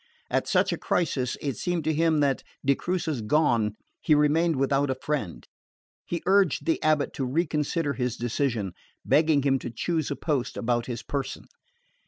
At such a crisis it seemed to him that, de Crucis gone, he remained without a friend. He urged the abate to reconsider his decision, begging him to choose a post about his person.